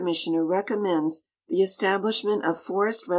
ssioner recommends the establishment of forest re.